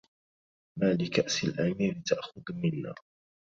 ما لكأس الأمير تأخذ منا